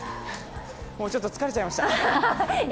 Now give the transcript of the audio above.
ちょっと疲れちゃいました。